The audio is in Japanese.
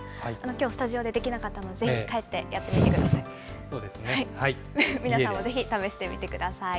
きょうスタジオでできなかったので、ぜひ、帰ってやってみてください。